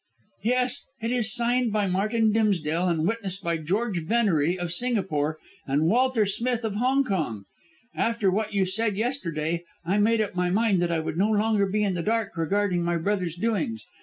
"Yes. It is signed by Martin Dimsdale and witnessed by George Venery, of Singapore, and Walter Smith, of Hong Kong. After what you said yesterday, I made up my mind that I would no longer be in the dark regarding my brother's doings.